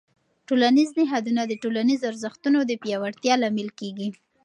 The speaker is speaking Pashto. ټولنیز نهادونه د ټولنیزو ارزښتونو د پیاوړتیا لامل کېږي.